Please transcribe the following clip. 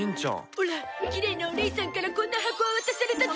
オラきれいなおねいさんからこんな箱を渡されたゾ。